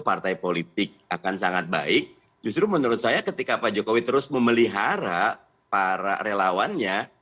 partai politik akan sangat baik justru menurut saya ketika pak jokowi terus memelihara para relawannya